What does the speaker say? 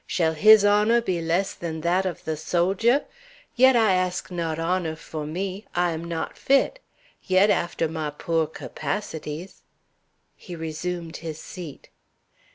Shall his honor be less than that of the soldier? Yet I ask not honor; for me, I am not fit; yet, after my poor capacities" He resumed his seat.